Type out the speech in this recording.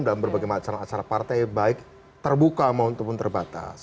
dan berbagai macam acara partai baik terbuka maupun terbatas